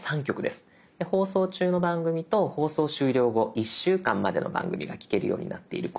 で放送中の番組と放送終了後１週間までの番組が聴けるようになっている